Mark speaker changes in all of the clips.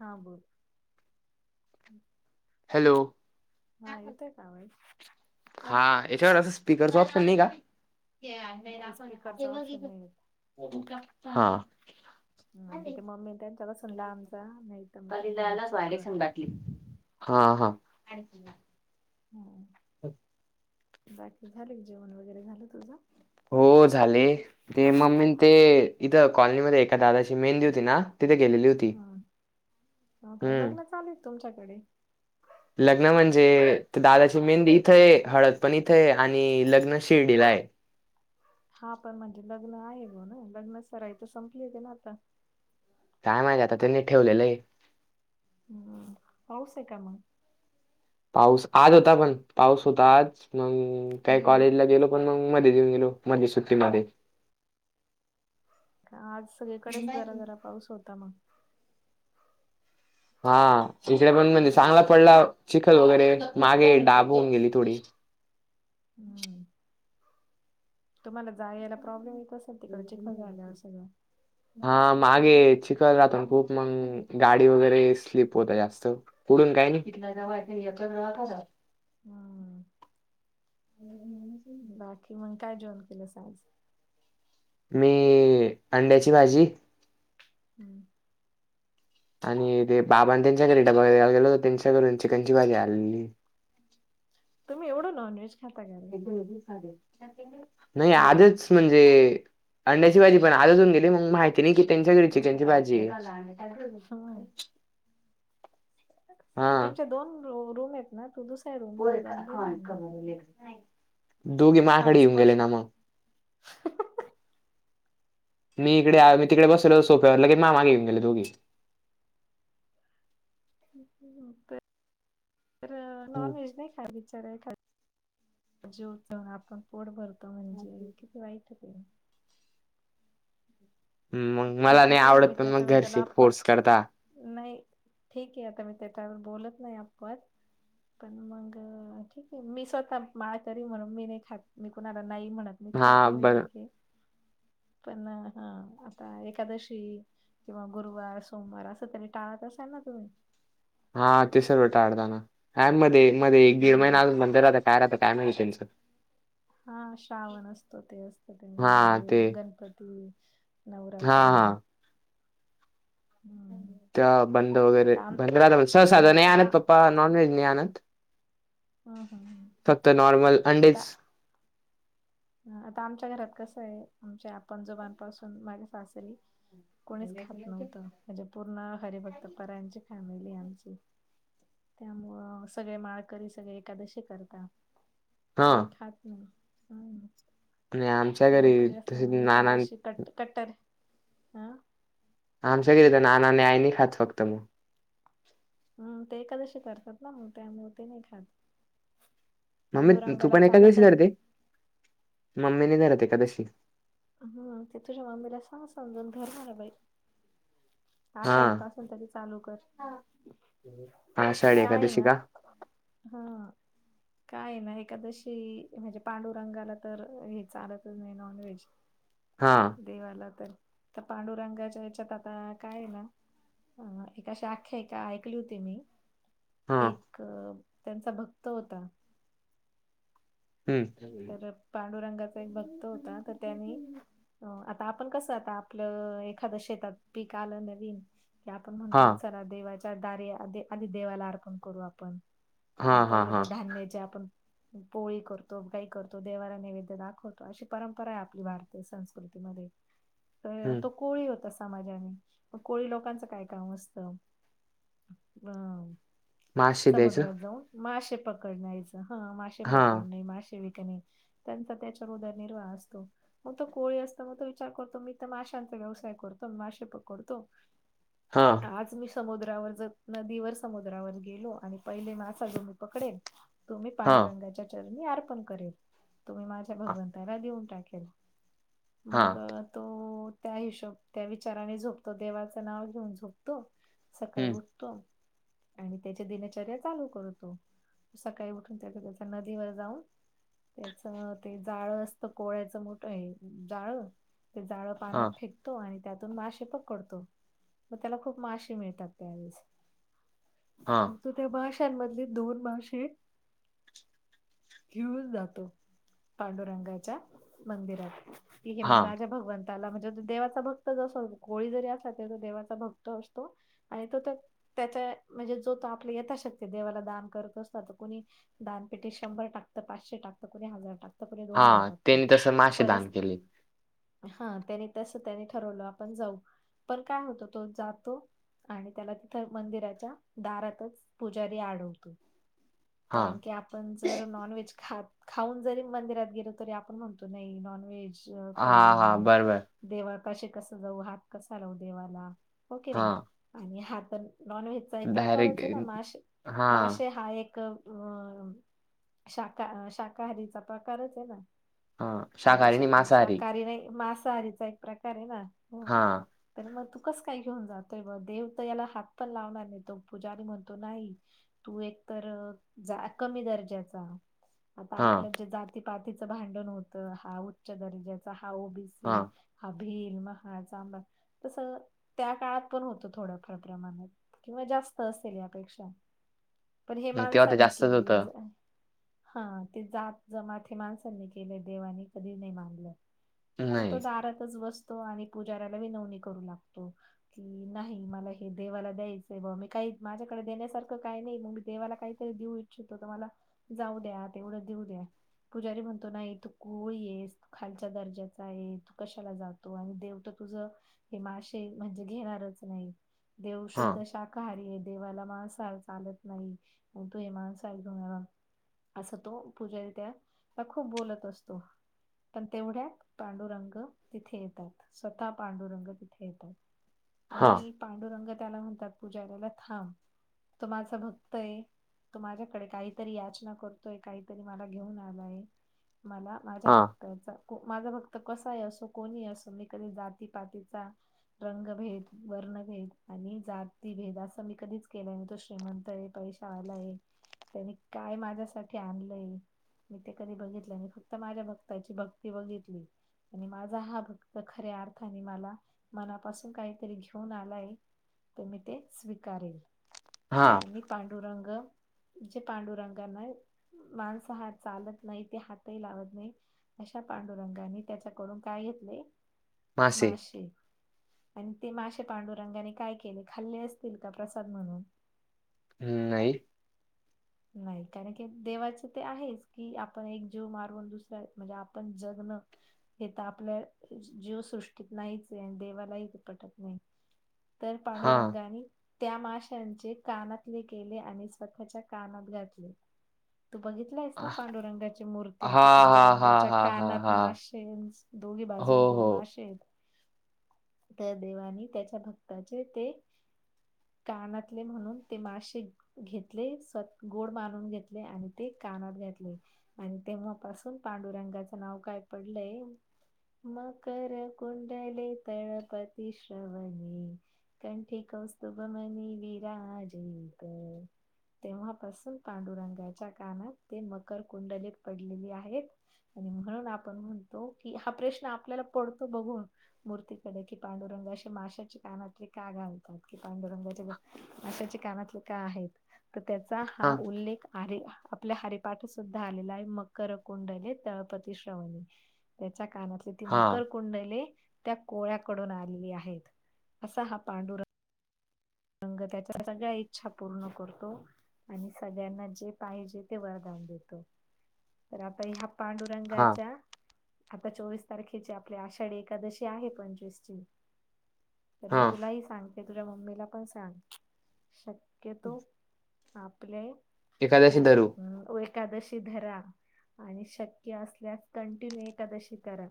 Speaker 1: हां बोल.
Speaker 2: हॅलो?
Speaker 1: हा, येतोय का आवाज?
Speaker 2: हा, याच्यावर असं स्पीकरच ऑप्शन नाही का?
Speaker 1: आवाज स्पीकरचा ऑप्शन नाही येत.
Speaker 2: हा.
Speaker 1: त्या ते मम्मी त्यांच्याला सल्ला आमचा नाही तर, मग त्यांना गप्प कर.
Speaker 2: हा. हा.
Speaker 1: हम.
Speaker 2: हो
Speaker 1: बाकी झाले. जेवण वगैरे झालं तुझं?
Speaker 2: हो झाले. ते मम्मी न ते इथं कॉलोनीमध्ये एका दादाची मेहंदी होती ना, तिथे गेलेली होती.
Speaker 1: हा. हा का?
Speaker 2: हम्म
Speaker 1: लग्न चालूए का तुमच्याकडे?
Speaker 2: लग्न म्हणजे? दादाची मेहंदी इथं आहे. हळद पण इथं आहे. आणि लग्न शिर्डीला आहे.
Speaker 1: हा पण म्हणजे लग्न आहे ना? लग्न सराई तर संपली होती ना आत्ता.
Speaker 2: काय माहीत आता त्यांनी ठेवलेलं आहे.
Speaker 1: हम्म. पाऊस आहे का म?
Speaker 2: पाऊस आज होता पण, पाऊस होता आज. मग काही
Speaker 1: हम्म
Speaker 2: कॉलेजला गेलो- पण मग मध्ये येऊन गेलो मध्येे सुट्टी मध्ये.
Speaker 1: आज सगळीकडेच जरा जरा पाऊस होता मग.
Speaker 2: हा. इकडे पण
Speaker 1: हा.
Speaker 2: म्हणजे चांगला पडला. चिखल वगैरे मागे डाब होऊन गेली थोडी.
Speaker 1: हम्म. तुम्हाला जा यायला प्रॉब्लेम येत असे -
Speaker 2: हा. मागे चिखल राहतो ना खूप. मग- गाडी वगैरे स्लीप होत्या जास्त. पुढून काही नाही.
Speaker 1: हम्म.
Speaker 2: हम्म
Speaker 1: बाकी मग काय जेवण केलस आज?
Speaker 2: मी अंड्याची भाजी-
Speaker 1: हम्म.
Speaker 2: आणि ते बाबांन त्यांच्याकडे डबा द्यायला गेलो होतो त्यांच्याघरून चिकनची भाजी आलेलीए.
Speaker 1: तुम्ही एवढ नॉनव्हेज खाता का रे?
Speaker 2: नाही आधीच म्हणजे- अंड्याची भाजी पण आजच होऊन गेली. मग माहिती नाही कि त्यांच्या घरी चिकनची भाजीए.
Speaker 1: हम्म.
Speaker 2: हां,
Speaker 1: तुमच्या दोन रूम आहेत ना? तू दुस-
Speaker 2: दोघी
Speaker 1: फार
Speaker 2: माह्याकडे येऊन गेल्या
Speaker 1: स्पष्ट.
Speaker 2: ना मग. मी इकडे आ, मी तिकडे बसलेलो सोफ्यावरती लगेच माझ्या मागे येऊन गेल्या दोघी.
Speaker 1: [unintelligible] तर
Speaker 2: हम्म,
Speaker 1: नॉनव्हेज नाही खावी. [unintelligible] आपण पोट भरतो म्हणजे किती वाईट आहे ते.
Speaker 2: मग मला
Speaker 1: खाता
Speaker 2: नाही
Speaker 1: तुम्ही.
Speaker 2: आवडत
Speaker 1: मी
Speaker 2: पण मग
Speaker 1: त्याच्याबद्दल
Speaker 2: घरचे
Speaker 1: आप-
Speaker 2: फोर्स करता.
Speaker 1: नाही. ठीक आहे आता मी त्याच्यावर बोलत नाही आपवाद. पण मग? ठीक आहे मी स्वतः माळकरी म्हणून मी नाही खात. मी कुणाला नाही म्हणत- मी खातो
Speaker 2: हां,
Speaker 1: हे
Speaker 2: बरं
Speaker 1: ठीक आहे. पण हा. आता एकादशी किंवा गुरुवार, सोमवार असं तरी टाळत असाल ना तुम्ही?
Speaker 2: हा. ते सर्व टाळता ना. काय मध्ये मध्ये एक दीड
Speaker 1: हम्म
Speaker 2: महिना अजून बंद राहता. काय राहता - काय नाही त्यांचं.
Speaker 1: हा. श्रावण असतो ते असत
Speaker 2: हा ते
Speaker 1: तेव्हा गणपती-
Speaker 2: हा
Speaker 1: नवरात्र.
Speaker 2: हा
Speaker 1: हम्म
Speaker 2: तेव्हा बंद वगैरे.
Speaker 1: आता आम
Speaker 2: [unintelligible] सहसा तर
Speaker 1: हम्म
Speaker 2: नाही
Speaker 1: आता
Speaker 2: आणत पप्पा. नॉन व्हेज नाही आणत.
Speaker 1: हा हा हा.
Speaker 2: फक्त नॉर्मल अंडेच
Speaker 1: ह आता आमच्या घरात कसं आहे, आमच्या पंजोबांपासून माझ्या सासरी कोणीच खात नव्हत. म्हणजे पूर्ण हरिभक्त पारायणची फॅमिली आहे आमची. त्यामुळ सगळे माळकरी सगळे एकादशी करतात.
Speaker 2: हा
Speaker 1: कोणी खात नाही.
Speaker 2: आणि आमच्या घरी
Speaker 1: माळकरी
Speaker 2: तसे
Speaker 1: असल्यामुळे
Speaker 2: नाना
Speaker 1: एकादशी कट कट्टर ह
Speaker 2: आमच्याघरी तर नाना आणि आई नाही खात फक्त मग.
Speaker 1: हम्म ते एकादशी करतात ना मग त्यामुळे ते नाही खात.
Speaker 2: मम्मी तू
Speaker 1: पांडुरंगाला
Speaker 2: पण
Speaker 1: चालत
Speaker 2: एकादशी धरते. मम्मी नाही धरत एकादशी.
Speaker 1: हा ते तुझ्या मम्मीला सांग समजून धर म्हणा बाई.
Speaker 2: हा
Speaker 1: आषाढी पाासून तरी चालू कर.
Speaker 2: आषाढी
Speaker 1: काय हे
Speaker 2: एकादशी
Speaker 1: ना
Speaker 2: का
Speaker 1: हा काय आहे ना एकादशी म्हणजे पांडुरंगाला तर हे चालतच नाही नॉनव्हेज.
Speaker 2: हा
Speaker 1: देवाला तर त्या पांडुरंगाच्या ह्याच्यात आता काय आहे ना एक अशी आख्यायिका ऐकली होती मी.
Speaker 2: हा
Speaker 1: एक त्यांचा भक्त होता
Speaker 2: हम्म
Speaker 1: तर पांडुरंगाचा एक भक्त होता. तर त्यानी आता आपण कस आता आपल एखाद शेतात पीक आल नवीन हे आपण
Speaker 2: हा
Speaker 1: म्हणतो चला देवाच्या दारी आधी आधी देवाला अर्पण करू आपण.
Speaker 2: हा
Speaker 1: मग
Speaker 2: हा
Speaker 1: पहिले
Speaker 2: हा
Speaker 1: ते धान्याची आपण पोळी करतो. काही करतो देवाला नैवेद्य दाखवतो. अशी परंपरा आहे आपली भारतीय संस्कृतीमध्ये.
Speaker 2: हम्म
Speaker 1: तो कोळी होता. स समाजाने मग कोळी लोकांच काय काम असत. अ
Speaker 2: मग आज शिजायचं
Speaker 1: समुद्रात जाऊन मासे पकडण्याच. ह मासेे
Speaker 2: हा
Speaker 1: पकडणे. मासे नाही त्यांचा त्याच्यावर उदरनिर्वाह असतो. मग तो कोळी असतो मग तो विचार करतो. मी तर माशांचा व्यवसाय करतो. मासे पकडतो.
Speaker 2: हा
Speaker 1: आज मी समुद्रावर ज नदीवर समुद्रावर गेलो आणि पहिले मासा जो मी पकडेन तो मी
Speaker 2: हा
Speaker 1: पांडुरंगाच्या चरणी अर्पण करेल. तो मी माझ्या भगवंताला देऊन टाकेल.
Speaker 2: हा
Speaker 1: मग तो त्या हिशोब त्या विचाराने झोपतो. देवाच नाव घेऊन झोपतो. सकाळी
Speaker 2: हम्म.
Speaker 1: उठतो आणि त्याच्या दिनचर्या चालू करतो. सकाळी उठून त्याचा त्याचा नदीवर जाऊन त्याच ते जाळ असत कोळ्याच मोठ हे जाळ ते जाळ पाण्यात
Speaker 2: हां,
Speaker 1: फेक तो आणि त्यातून मासे पकडतो. मग त्याला खूप मासे मिळतात त्यावेळेस.
Speaker 2: हा
Speaker 1: मग तो त्या माशांमधले दोन मासे घेऊन जातो. पांडुरंगाच्या मंदिरात. कि हे
Speaker 2: हां,
Speaker 1: माझ्या भगवं ताला म्हणजे तो देवाचा भक्त जस कोळी जरी असला तरी तो देवाचा भक्त असतो. आणि तो त्या त्याचा म्हणजे जो तो आपल्या येथा शक्ती देवाला दान करत असतो. आता कुणी दानपेटीत शंभर टाकत पाचशे टकत कुणी हजार टाकत. तर कुणी दोन हजार
Speaker 2: हां.
Speaker 1: टाकत.
Speaker 2: त्यांनी तसं मासे
Speaker 1: परस
Speaker 2: दान केले.
Speaker 1: हा त्यानी तस त्यानी ठरवल आपण जाऊ. पण काय होत तो जातो. आणि त्याला तिथं मंदिराच्या दारातच पुजारी आडवतो
Speaker 2: हां.
Speaker 1: कारण की आपण जर नॉनव्हेज खात खाऊन जरी मंदिरात गेलो तरी आपण म्हणतो नाही नॉन व्हेज अ खाल्लंय
Speaker 2: हां, हां.
Speaker 1: मी
Speaker 2: बरोबर.
Speaker 1: देवा पाशी कस जाऊ हात कसा लाव देवाला हो कि नाई
Speaker 2: हां.
Speaker 1: आणि हा तर नॉनव्हेजचा एक प्रकारच
Speaker 2: डायरेक्ट
Speaker 1: आहे ना मासे,
Speaker 2: हां,
Speaker 1: मासेे हा एक अ शाका शाकाहारीचा प्रकारच आहे ना
Speaker 2: हां. शाकाहारी आणि
Speaker 1: हे
Speaker 2: मांसाहारी.
Speaker 1: शाकाहारी नाही मांसाहारीचा एक प्रकार आहे ना हो
Speaker 2: हा
Speaker 1: तर मग तू कस काय घेऊन जातोय ब देव तर याला हात पण लावणार नाही तो पूजारी म्हणतो नाही तू एक तर जा कमी दर्जाचा आता
Speaker 2: हां,
Speaker 1: आपलं जे जातीपातीचं भांडण होत हा उच्च दर्जाचा हा ओबीसी
Speaker 2: हां.
Speaker 1: हा भिम हा चांबार तस त्या काळात पण होतं थोडंफार प्रा प्रमाणात किंवा जास्त असेल यापेक्षा पण हे
Speaker 2: मग तेव्हा तर
Speaker 1: माणसांनी
Speaker 2: जास्तच
Speaker 1: केलेले
Speaker 2: होतं.
Speaker 1: जा हा ते जात जमाात हे माणसांनी केले देवानी कधी नाही मानलं मग तो
Speaker 2: नाही.
Speaker 1: दारातच बसतो आणि पुजाऱ्याला वीनवनी करू लागतो की नाही मला हे देवाला द्यायचंय ब मी काही माझ्याकडे देण्यासारखं काही नाही मग मी देवाला काही देऊ इच्छितो तर मला जाऊ द्या तेवढं देऊ द्या पुजारी म्हणतो ना तू कोळी येस तू खालच्या दर्जाचा आहे तू कशाला जा आणि देव तर तुझ हे मासेे म्हणजे घेणारच नाही देव
Speaker 2: हां,
Speaker 1: शुद्ध शा काहारी आहे देवाला माांसाहार चालत नाही मग तू आहे मांसाल तुणाला असं तो पुजारी त्या खूप बोलत असतो पण तेवढ्यात पांडुरंग तिथे येतात स्वतः पांडुरंग तिथे येतात
Speaker 2: हां,
Speaker 1: आणी पांडुरंग त्याला म्हणतात पुजाऱ्याला थांब तो माझ भक्त आहे तो माझ्याकडे काहीतरी याचना कर तो काहीतरी मला घेऊन आलाय मला माझ्या
Speaker 2: हां,
Speaker 1: भक त्या माझा फक्त कसा आहे असो कोणी असो मी कधी जातीपातीचा रंगभेद, वर्णभेद आणि जाती भेद असं मी कधीच केला नवतो श्रीमंत हे पैश वालाय त्यांनी काय माझ्यासाठी आणलंय मी ते कधी बघितलं नाही फक्त माझ्या भक्ताची भक्ती बघितली आणि माझा हा भक्त खऱ्या अर्थाने मला मनापासून काहीतरी घेऊन आलाय तर मी ते स्वीकारेल
Speaker 2: हा
Speaker 1: आणि पांडुरंग जे पांडुरंगान मांसाहार चालत नाही ते हातही लावत नाही अशा पांडुरंगानी त्याच्याकडून काय घेतले
Speaker 2: मासे.
Speaker 1: माशे आणि ते मासेे पांडुरंगाने काय केले खाल्ले असतील का प्रसाद म्हणून
Speaker 2: हम्म नाही
Speaker 1: नाही कारण की देवाचे ते आहेच की आपण एक जीव मारून दुसऱ्या म्हणजे आपण जगणं हे तर आपल्या जीवसृष्टीत नाहीच आहे आणि देवालाही ते पटत नाही तर
Speaker 2: हां.
Speaker 1: पांडुरंगाने त्या माशांचे कानातले केले आणि स्वतःच्या कानात घातले तू बघित तलास
Speaker 2: हां,
Speaker 1: पांडुरंगाची मूर्ती कि
Speaker 2: हां, हां,
Speaker 1: पांडुरंगाच्या
Speaker 2: हां, हां,
Speaker 1: कानात
Speaker 2: हां.
Speaker 1: माशे दोघही
Speaker 2: हो,
Speaker 1: बाजू दोन
Speaker 2: हो.
Speaker 1: मासे आहेत
Speaker 2: [unintelligible]
Speaker 1: तर देवानी त्याच्या भक्ताचे ते कानातले म्हणून ते मासे घेतले तर गोड मानून घेतले आणि ते कानात घातले. आणि तेव्हापासून पांडुरंगाचं नाव काय पडलंय? मकर कुडले तळपती श्रवणी कंठी कौतुभमनी विराजित. तेव्हापासून पांडुरंगाच्या कानात ते मकर कुंडलीत पडलेली आहेत. आणि म्हणून आपण म्हणतो की हा प्रश्न आपल्याला पडतो बघून. मूर्ती कडे की पांडुरंग असे माशाच्या कानातले का घालतात की पांडुरंगाचे माशाचे कानातले का आहेत तर त्याचा हा
Speaker 2: हां,
Speaker 1: उल्लेख हरे आपल्या हरिपाठ सुद्धा आलेला आहे मकर कुंडले तळपती श्रवणी त्याच्या कानातली ती मकर
Speaker 2: हां,
Speaker 1: कुंडले त्या कोळ्याकडून आलेली आहेत असा हा पांडुर रंग त्याच्या सगळ्या इच्छा पूर्ण करतो. आणि सगळ्यांना जे पाहिजे ते वरधान देतो तर आता ह्या पांडु
Speaker 2: हां,
Speaker 1: रंगाच्या आता चोवीस तारखेची आपली आषाढी एकादशी आहे पंचवीसची तर मी
Speaker 2: हां.
Speaker 1: तुलाही सांगते तुझ्या मम्मीला पण सांग शक्यतो आपले
Speaker 2: एकादशी
Speaker 1: हे
Speaker 2: धरू.
Speaker 1: व एकादशी धरा आणि शक्य असल्यास कंटिन्यू एकादशी करा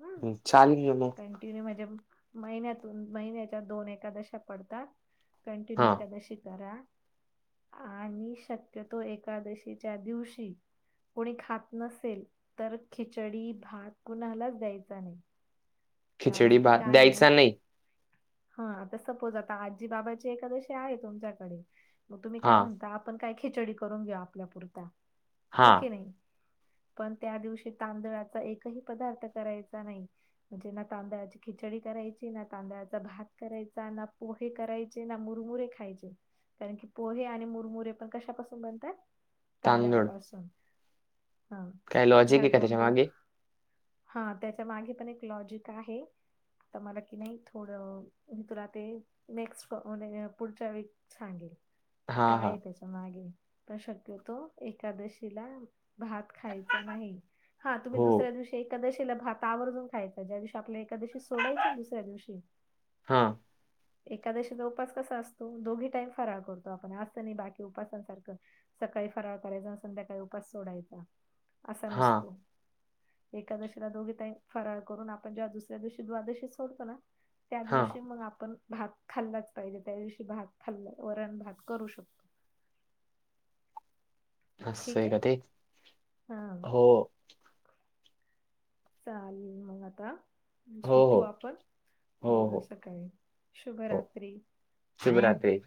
Speaker 1: हम्म
Speaker 2: चाल को म [inaudible]
Speaker 1: कंटिन्यू म्हणजे महिन्यातून महिन्याच्या दोन एकादशात पडतात. कंटिन्यू
Speaker 2: हां.
Speaker 1: एकादशी करा आणि शक्यतो एकादशीच्या दिवशी. कोणी खात नसेल तर खिचडी भात कुणालाच द्यायचा नाही. कारण
Speaker 2: खिचडी
Speaker 1: की
Speaker 2: भात
Speaker 1: काय आहे ना
Speaker 2: द्यायचा नाही.
Speaker 1: हा आता सपोज आता आजी बाबाची एखादशी आहे तुमच्याकडे मग तुम्ही काय
Speaker 2: हां.
Speaker 1: म्हणता. आपण काय खिचडी करून घेऊ आपल्या पुरता हे
Speaker 2: हां
Speaker 1: की नाही? पण त्या दिवशी तांदळाचा एकही पदार्थ करायचा नाही. म्हणजे ना तांदळाची खिचडी करायची ना तांदळाचा भात करायचा ना पोहे कराय मुरमुरे खायचे कारण की पोहे आणि मुरमुरे पण कशापासून बनतात?
Speaker 2: तांदूळ
Speaker 1: तांदळापासून हा
Speaker 2: काय
Speaker 1: तर
Speaker 2: लॉजिक
Speaker 1: ह्या
Speaker 2: आहे का
Speaker 1: दोन
Speaker 2: त्याच्या
Speaker 1: गो
Speaker 2: मागे
Speaker 1: हा त्याच्या मागे पण एक लॉजिक आहे. तर मला की नाही थोडं मी तुला ते नेक्स्ट म्ह पुढच्या व सांगेल
Speaker 2: हां
Speaker 1: काय
Speaker 2: हां
Speaker 1: आहे त्याच्या मागे पण शक्यतो एकादशीला भात खायचा नाही. हा तुम्ही
Speaker 2: हो
Speaker 1: दुसऱ्या दिवशी एकादशीला भात आवर्जून खायच ज्या दिवशी आपल्या एका दिवशी सोडायची दुसऱ्या दिवशी
Speaker 2: हां..
Speaker 1: एकादशीचा उपास कसा असतो दोघी टाईम फराळ करतो आपण असं नाही बाकी उपसांसारखं सकाळी फराळ करायचाऊन संध्याकाळी उपास सोडायचा. असा
Speaker 2: हां
Speaker 1: नसतो एकादशीला दोघी टाईम फरळ करून आपण जेव्हा दुसऱ्या दिवशी द्वादशी सोडतो ना त्या
Speaker 2: हां
Speaker 1: दिवशी मग आपण भात खाल्लाच पाहिजे त्या दिवशी भात खाल्ला वरण, भात करू शकतो.
Speaker 2: अस आहे का ते
Speaker 1: हा
Speaker 2: हो.
Speaker 1: चालेल मग आता.
Speaker 2: हो
Speaker 1: झोपू
Speaker 2: हो
Speaker 1: आपण
Speaker 2: हो
Speaker 1: बोलू
Speaker 2: हो
Speaker 1: सकाळी शुभरात्री.
Speaker 2: शिवराात्री.